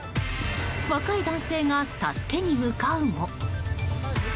若い男性が助けに向かうも。